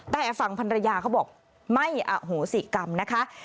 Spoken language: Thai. แต่ฝั่งพันรยาเขาบอกไม่อโหสิกรรมนะคะ